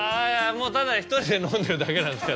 ただ１人で飲んでるだけなんです。